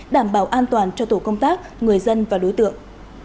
đảm bảo an toàn cho tổ công tác người dân và đối tượng